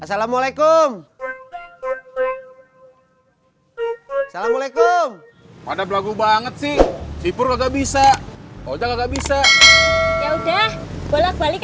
assalamualaikum assalamualaikum pada berlaku banget sih sipur nggak bisa bisa ya udah bolak balik